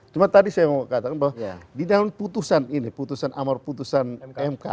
cuma tadi saya mau katakan bahwa di dalam putusan ini putusan amar putusan mk